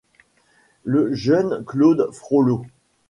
Lejeune Claude Frollo.